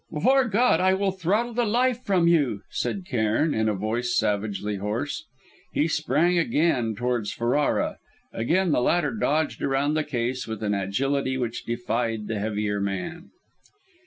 "Before God! I will throttle the life from you!" said Cairn, in a voice savagely hoarse. He sprang again towards Ferrara. Again the latter dodged around the case with an agility which defied the heavier man.